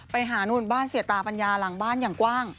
ไปหานู่นบ้านเสียตาปัญญาหลังบ้านอย่างกว้าง